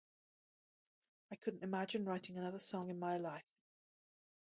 I couldn't imagine writing another song in my life.